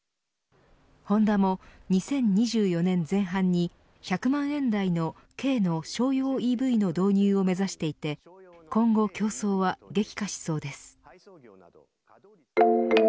ホンダも２０２４年前半に１００万円台の軽の商用ＥＶの導入を目指していて今後、競争は激化しそうです。